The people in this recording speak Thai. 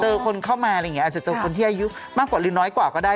คนเข้ามาอะไรอย่างนี้อาจจะเจอคนที่อายุมากกว่าหรือน้อยกว่าก็ได้